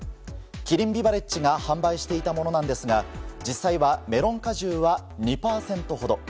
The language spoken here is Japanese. キリンビバレッジが販売していたものなんですが実際は、メロン果汁は２％ほど。